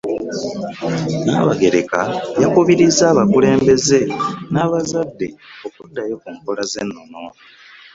Nnaabagereka yakubirizza abakulembeze n'abazadde okuddayo mu nkola ez'ennono